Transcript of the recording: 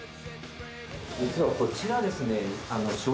実はこちらですね。